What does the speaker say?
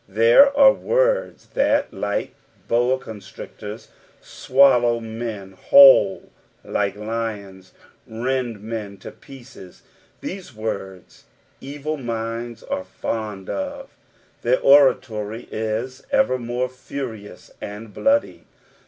^' There we words that, like boa constrictorB, swallow men whole, or like lions, reud men to pieces ; these words evil minds are fond of. Their orator; is evermore furious and bloody.